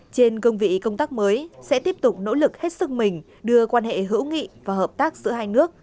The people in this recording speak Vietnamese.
trên cương vị công tác mới sẽ tiếp tục nỗ lực hết sức mình đưa quan hệ hữu nghị và hợp tác giữa hai nước